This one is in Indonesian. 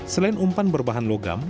selain umpan berbahan logam